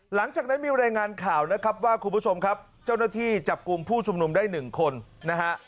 หลังจากนั้นมีรายงานข่าวนะครับว่าคุณผู้ชมครับเจ้าหน้าที่จับกลุ่มผู้ชุมนุมได้หนึ่งคนนะฮะ